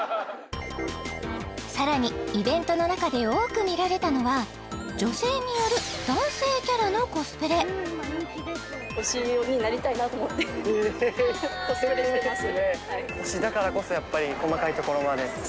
さらにイベントの中で多く見られたのは女性による男性キャラのコスプレと思ってコスプレしてます